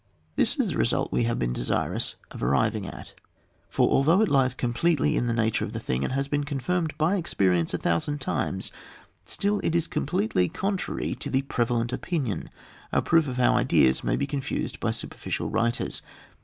This is the result we have been desirous of ar riving at ; for although it lies completely in the nature of the thing, and has been confirmed by experience a thousand times, still it is completely contrary to prevalent opinion — a proof how ideas may be confused by superficial writers.